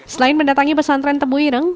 selain mendatangi pesantren tebuireng